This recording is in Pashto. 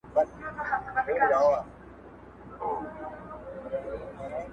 ویل ګوره چي ګنجی سر دي نیولی!!